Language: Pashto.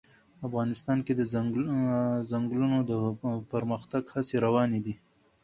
افغانستان کې د ځنګلونه د پرمختګ هڅې روانې دي.